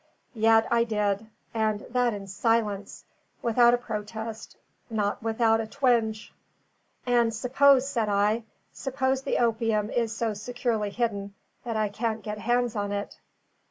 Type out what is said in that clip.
Yet I did, and that in silence; without a protest, not without a twinge. "And suppose," said I, "suppose the opium is so securely hidden that I can't get hands on it?"